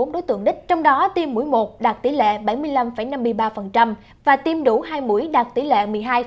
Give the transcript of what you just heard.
ba trăm một mươi hai bốn mươi bốn đối tượng đích trong đó tiêm mũi một đạt tỷ lệ bảy mươi năm năm mươi ba và tiêm đủ hai mũi đạt tỷ lệ một mươi hai năm mươi tám